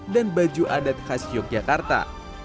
dan baju adat khas yogyakarta